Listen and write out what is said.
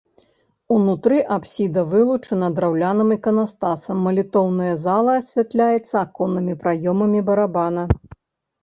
Унутры апсіда вылучана драўляным іканастасам, малітоўная зала асвятляецца аконнымі праёмамі барабана.